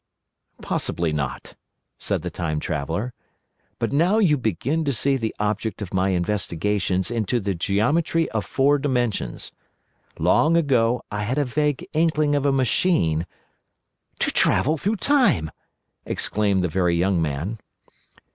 "Possibly not," said the Time Traveller. "But now you begin to see the object of my investigations into the geometry of Four Dimensions. Long ago I had a vague inkling of a machine—" "To travel through Time!" exclaimed the Very Young Man.